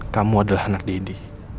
kamu adalah anak deddy